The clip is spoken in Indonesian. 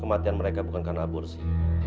kematian mereka bukan karena aborsi